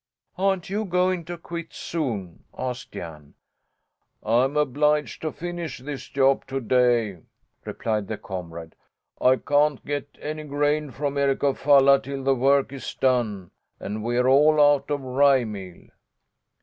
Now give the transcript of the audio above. "Aren't you going to quit soon?" asked Jan. "I'm obliged to finish this job to day," replied the comrade. "I can't get any grain from Eric of Falia till the work is done, and we're all out of rye meal."